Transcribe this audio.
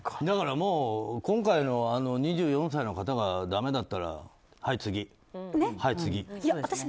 だからもう今回の２４歳の方がだめだったらはい次、はい次って。